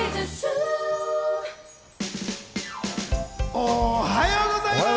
おはようございます！